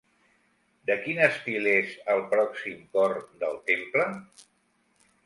De quin estil és el pròxim cor del temple?